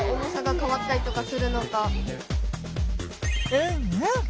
うんうん！